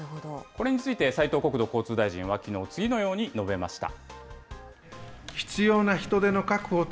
これについて、斉藤国土交通大臣はきのう、次のように述べました。